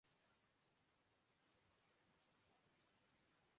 مصنوعی پھولوں سے خوشبو نہیں آتی